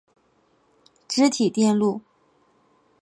积体电路